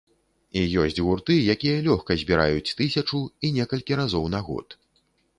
І ёсць гурты, якія лёгка збіраюць тысячу, і некалькі разоў на год.